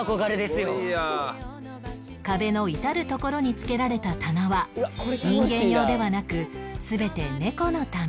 壁の至る所に付けられた棚は人間用ではなく全て猫のため